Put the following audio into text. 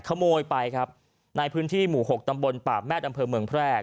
ขโมยไปครับในพื้นที่หมู่หกตำบลป่าแมทอำเภอเมืองแพร่